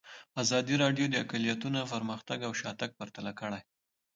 ازادي راډیو د اقلیتونه پرمختګ او شاتګ پرتله کړی.